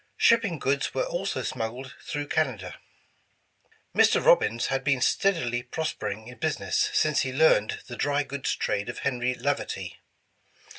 Shipping goods were also smuggled through Canada. Mr. Robbins had been steadily prospering in business since he learned the dry goods trade of Henry Laverty.